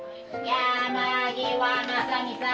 山際正己さん